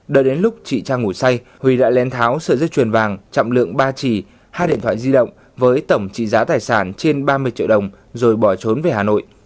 đợi đến lúc chị trang ngủ say huy đã lên tháo sợi dứt truyền vàng chậm lượng ba trì hai điện thoại di động với tổng trị giá tài sản trên ba mươi triệu đồng rồi bỏ trốn về hà nội